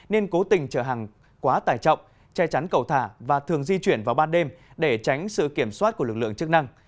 nên cố tình chở hàng quá tải trọng che chắn cầu thả và thường di chuyển vào ban đêm để tránh sự kiểm soát của lực lượng chức năng